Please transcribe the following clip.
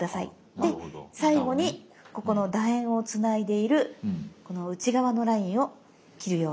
で最後にここのだ円をつないでいるこの内側のラインを切るようにして下さい。